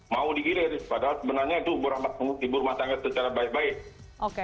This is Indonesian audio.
padahal sebenarnya itu ibu rumah tangga secara baik baik